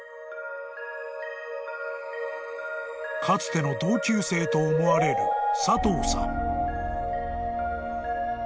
［かつての同級生と思われる佐藤さん］